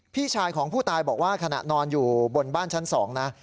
พี่ชายของผู้ตายบอกว่าขณะนอนอยู่บนบ้านชั้น๒นะ